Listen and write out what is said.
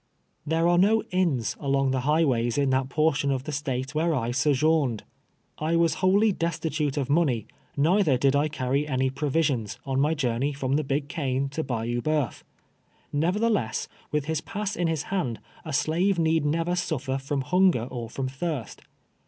Tliere are no inns along the highways in that por tion of the State where I sojourned. I was wholly destitute of money, neither did I carry any provisions, on my journey from the Dig Cane to Jxiyou Bceuf ; nevertheless, with liis pass in his hand, a slave need never suft'er from hunger or from thirst.